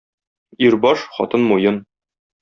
Ир - баш, хатын - муен.